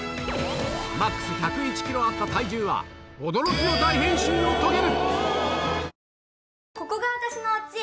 ＭＡＸ１０１ｋｇあった体重は驚きの大変身を遂げる！